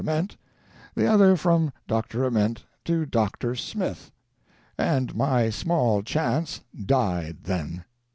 Ament, the other from Dr. Ament to Dr. Smith — and my small chance died then.